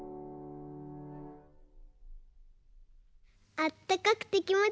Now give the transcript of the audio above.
あったかくてきもちいいね。ね。